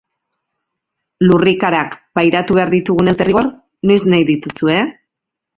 Lurrikarak pairatu behar ditugunez derrigor, noiz nahi dituzue?